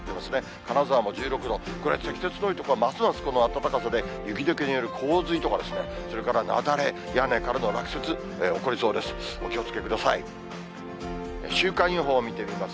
金沢も１６度、積雪の多い所はますますこの暖かさで、雪どけによる洪水とか、それから雪崩、屋根からの落雪、起こりそうです。